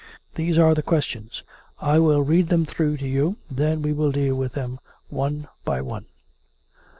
These are the questions. I will read them through to you. Then we will deal with them one by one."